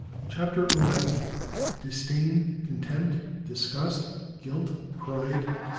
CHAPTER XI. DISDAIN—CONTEMPT—DISGUST GUILT—PRIDE, ETC.